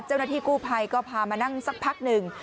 เจ้าหน้าที่กู้ภัยก็พามานั่งสักพักหนึ่ง